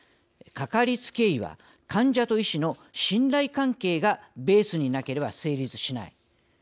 「かかりつけ医は患者と医師の信頼関係がベースになければ成立しない。